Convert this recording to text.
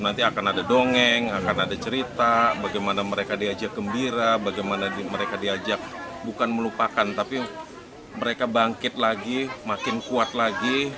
nanti akan ada dongeng akan ada cerita bagaimana mereka diajak gembira bagaimana mereka diajak bukan melupakan tapi mereka bangkit lagi makin kuat lagi